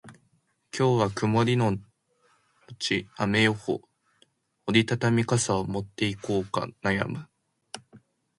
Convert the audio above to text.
今日は曇りのち雨予報。折り畳み傘を持っていこうか悩む。